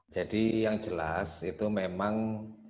jadi yang jelas itu memang